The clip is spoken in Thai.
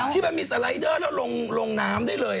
ที่มันมีสไลเดอร์แล้วลงน้ำได้เลย